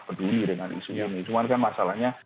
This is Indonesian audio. peduli dengan isu ini cuman kan masalahnya